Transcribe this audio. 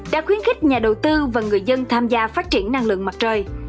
đã khuyến khích nhà đầu tư và người dân tham gia phát triển năng lượng mặt trời